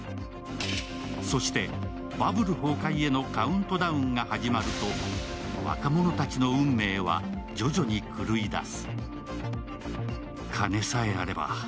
そしてバブル崩壊へのカウントダウンが始まると、若者たちの運命は徐々に狂い出す。